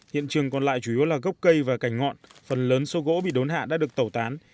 hiện trường còn lại chủ yếu là gốc cây và cành ngọn phần lớn số gỗ bị đốn hạ đã được tẩu tán